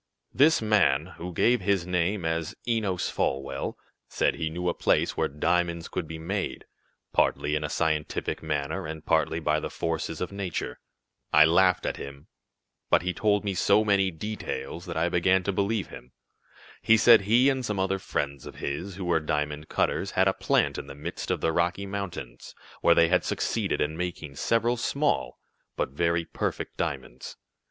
"This man, who gave his name as Enos Folwell, said he knew a place where diamonds could be made, partly in a scientific manner, and partly by the forces of nature. I laughed at him, but he told me so many details that I began to believe him. He said he and some other friends of his, who were diamond cutters, had a plant in the midst of the Rocky Mountains, where they had succeeded in making several small, but very perfect diamonds.